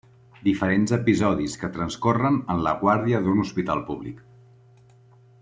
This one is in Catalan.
Diferents episodis que transcorren en la guàrdia d'un hospital públic.